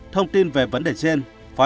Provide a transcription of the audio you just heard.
thông tin về vấn đề trên